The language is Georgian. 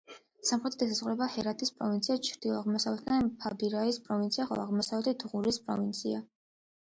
სამხრეთიდან ესაზღვრება ჰერათის პროვინცია, ჩრდილო-აღმოსავლეთიდან ფარიაბის პროვინცია, ხოლო აღმოსავლეთიდან ღურის პროვინცია.